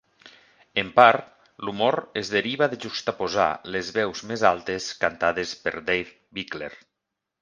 En part, l'humor es deriva de juxtaposar les veus més altes cantades per Dave Bickler.